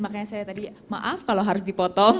makanya saya tadi maaf kalau harus dipotong